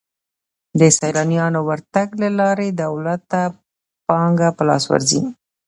د سیلانیانو ورتګ له لارې دولت ته پانګه په لاس ورځي.